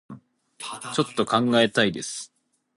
ちょっと考えたいです